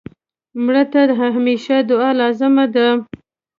مړه ته د همېشه دعا لازم ده